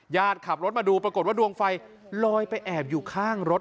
ขับรถมาดูปรากฏว่าดวงไฟลอยไปแอบอยู่ข้างรถ